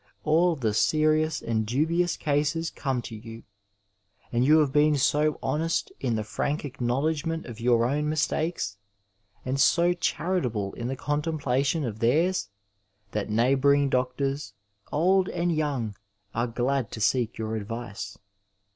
All the serious and dubious cases come to you, and you have been so honest in the frank acknowledgment of your own mistakes, and so charitable in the contemplation of theirs, that neighbour ing doctors, old and young, are glad to seek your advice.